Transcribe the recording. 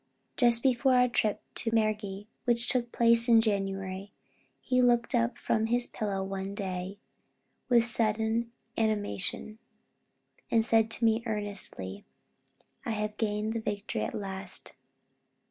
Just before our trip to Mergui, which took place in January, he looked up from his pillow one day with sudden animation, and said to me earnestly, "I have gained the victory at last.